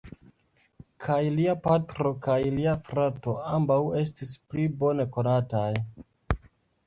Kaj lia patro kaj lia frato ambaŭ estis pli bone konataj.